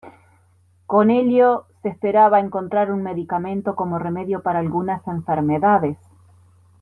Con ello se esperaba encontrar un medicamento como remedio para algunas enfermedades.